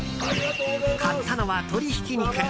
買ったのは鶏ひき肉。